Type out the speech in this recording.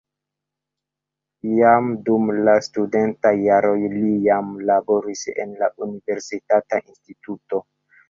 Jam dum la studentaj jaroj li jam laboris en la universitata instituto.